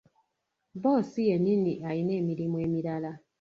Bboosi yennyini alina emirimu emirala.